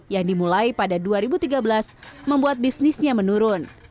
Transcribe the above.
yang dimulai pada dua ribu tiga belas membuat bisnisnya menurun